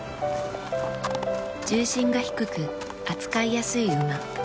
重心が低く扱いやすい馬。